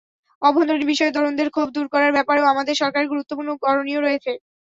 অভ্যন্তরীণ বিষয়ে তরুণদের ক্ষোভ দূর করার ব্যাপারেও আমাদের সরকারের গুরুত্বপূর্ণ করণীয় রয়েছে।